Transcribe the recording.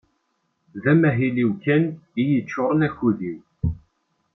D amahil-iw kan iyi-ččuren akud-iw.